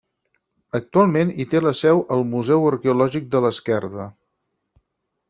Actualment hi té la seu el Museu Arqueològic de l'Esquerda.